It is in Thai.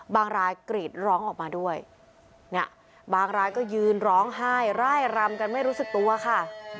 รายกรีดร้องออกมาด้วยเนี่ยบางรายก็ยืนร้องไห้ร่ายรำกันไม่รู้สึกตัวค่ะ